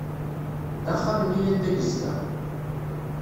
D axxam-nni anda yezdeɣ.